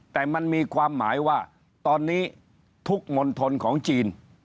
แต่มันมีความหมายว่าตอนนี้ทุกมณฑลของจีน